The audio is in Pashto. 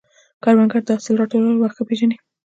کروندګر د حاصل راټولولو وخت ښه پېژني